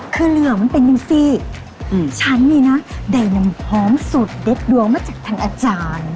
คือเหลือมันเป็นอยู่สิอืมฉันนี่นะได้นำพร้อมสุดเด็ดดวงมาจากท่านอาจารย์